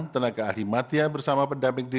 tenaga ahli madya bersama pendamping desa